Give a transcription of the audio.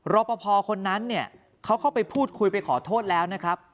รอปภคนนั้นเนี่ยเขาเข้าไปพูดคุยไปขอโทษแล้วนะครับ